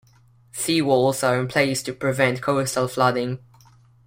Sea walls are in place to prevent coastal flooding.